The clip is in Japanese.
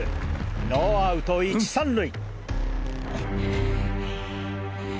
ノーアウト１・３塁！